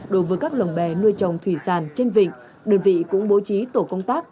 đối với các lồng bè nuôi trồng thủy sản trên vịnh đơn vị cũng bố trí tổ công tác